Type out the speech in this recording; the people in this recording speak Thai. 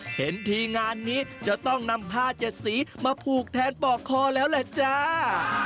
เห็นทีมงานนี้จะต้องนำผ้าเจ็ดสีมาผูกแทนปอกคอแล้วแหละจ้า